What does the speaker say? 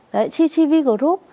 đấy gcv group